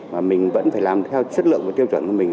và mình vẫn phải làm theo chất lượng và tiêu chuẩn của mình